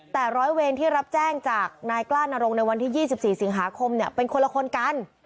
แต่ร้อยเวรที่รับแจ้งจากนายกล้านรงค์ในวันที่๒๔สิงหาคมเป็นคนละคนกัน